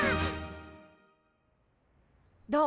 どう？